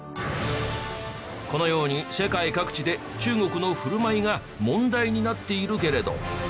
このように世界各地で中国の振る舞いが問題になっているけれど。